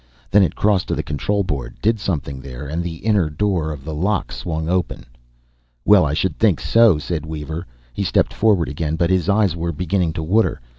Then it crossed to the control board, did something there, and the inner door of the lock swung open. "Well, I should think so!" said Weaver. He stepped forward again But his eyes were beginning to water.